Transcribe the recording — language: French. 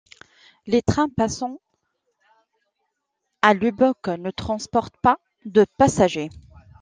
Les trains passant à Lubbock ne transportent pas de passagers.